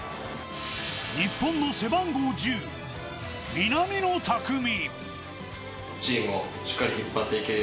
日本の背番号１０・南野拓実。